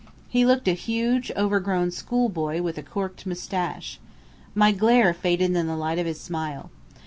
He looked like a huge, overgrown schoolboy with a corked moustache. My glare faded in the light of his smile.